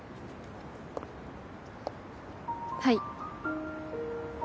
はい。